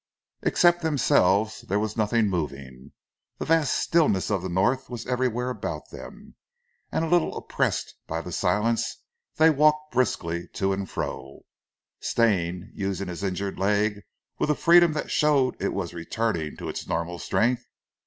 Except themselves there was nothing moving. The vast stillness of the North was everywhere about them, and a little oppressed by the silence they walked briskly to and fro, Stane using his injured leg with a freedom that showed that it was returning to its normal strength.